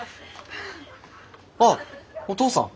あっお父さん。